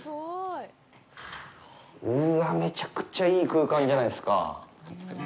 うわあ、めちゃくちゃいい空間じゃないですか。